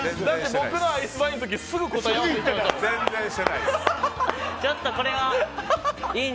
僕のアイスバインの時すぐ答えいってましたもん。